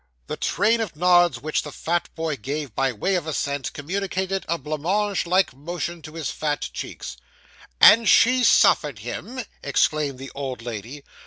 The train of nods which the fat boy gave by way of assent, communicated a blanc mange like motion to his fat cheeks. 'And she suffered him!' exclaimed the old lady.